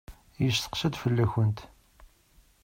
Yesteqsa-d fell-awent.